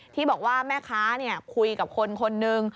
ที่บอกว่าแม่ค้าคุยกับคนคนนึง